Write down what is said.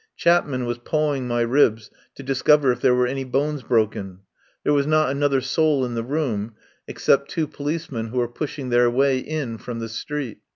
Chapman was pawing my ribs to discover if there were any bones broken. There was not another soul in the room ex cept two policemen who were pushing their way in from the street.